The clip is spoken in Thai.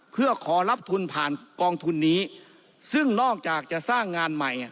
เพื่อขอรับทุนผ่านกองทุนนี้ซึ่งนอกจากจะสร้างงานใหม่